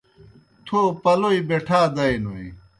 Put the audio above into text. تھو پلَوْئی بِٹھا دَئینوئے۔